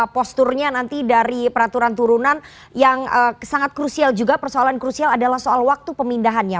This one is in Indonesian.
posturnya nanti dari peraturan turunan yang sangat krusial juga persoalan krusial adalah soal waktu pemindahannya